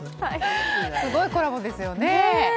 すごいコラボですよね。